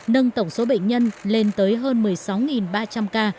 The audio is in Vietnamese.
nâng tổng số bệnh nhân lên tới hơn một mươi sáu ba trăm linh ca